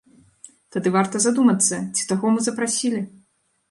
Тады варта задумацца, ці таго мы запрасілі!?